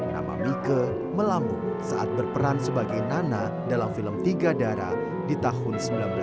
nama mika melambung saat berperan sebagai nana dalam film tiga darah di tahun seribu sembilan ratus sembilan puluh